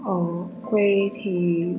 ở quê thì